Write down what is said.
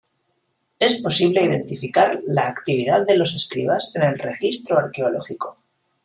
Es posible identificar la actividad de los escribas en el registro arqueológico.